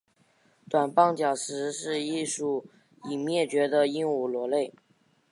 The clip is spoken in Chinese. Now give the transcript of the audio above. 短棒角石是一属已灭绝的鹦鹉螺类。